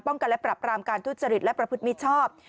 กันและปรับรามการทุจริตและประพฤติมิชชอบ